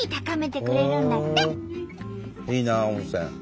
いいなあ温泉。